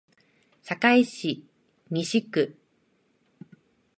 堺市西区